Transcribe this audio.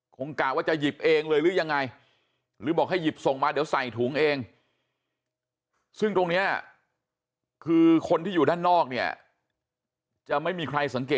ผมกลายว่าจะหยิบเองเลยรึยังไงหรือบอกให้หยิบส่งมา